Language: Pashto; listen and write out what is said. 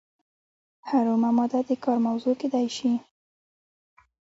هره اومه ماده د کار موضوع کیدای شي.